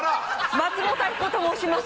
松本明子と申します。